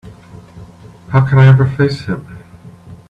How can I ever face him?